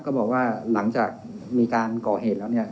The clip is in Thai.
ก็บอกว่าหลังจากมีการก่อเหตุแล้วเนี่ย